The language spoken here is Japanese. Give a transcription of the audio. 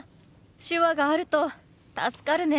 手話があると助かるね。